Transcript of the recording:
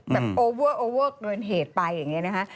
โอเวอร์โอเวอร์เกินเหตุไปอย่างนี้นะคะ